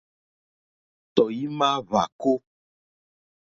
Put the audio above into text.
Tɔ̀ímá hvàkó.